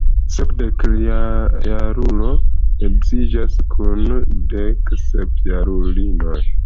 Sepdekjarulo edziĝas kun deksepjarulino.